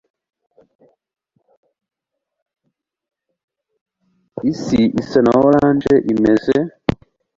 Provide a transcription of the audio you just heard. Isi isa na orange imeze.